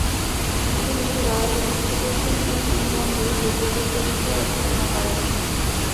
তিনি Royal Institution in ইংল্যান্ড-এ জোতির্বিদ্যা বিষয়ে অধ্যাপনা করেন।